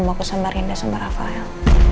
mau kesembaran dengan rafael